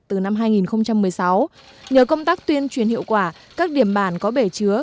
từ năm hai nghìn một mươi sáu nhờ công tác tuyên truyền hiệu quả các điểm bản có bể chứa